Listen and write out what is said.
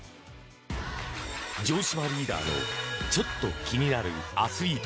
城島リーダーのちょっと気になるアスリート。